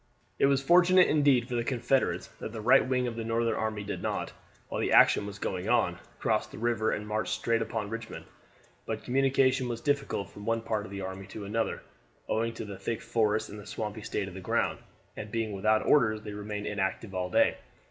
It was fortunate indeed for the Confederates that the right wing of the Northern army did not, while the action was going on, cross the river and march straight upon Richmond; but communication was difficult from one part of the army to another, owing to the thick forests and the swampy state of the ground, and being without orders they remained inactive all day.